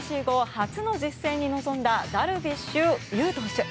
初の実戦に臨んだダルビッシュ有投手。